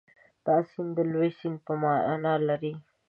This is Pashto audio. دا سیند د لوی سیند په معنا لري.